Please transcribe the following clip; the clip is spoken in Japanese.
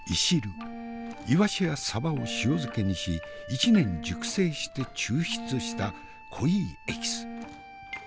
いわしやサバを塩漬けにし１年熟成して抽出した濃いエキス。